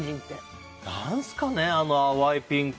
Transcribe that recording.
何すかね、あの淡いピンク。